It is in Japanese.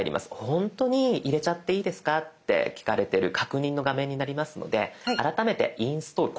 本当に入れちゃっていいですかって聞かれてる確認の画面になりますので改めて「インストール」。